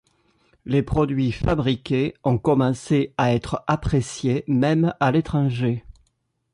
Les produits fabriqués ont commencé à être appréciés même à l'étranger.